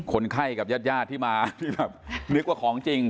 คนไข้กับญาติญาติที่มาที่แบบนึกว่าของจริง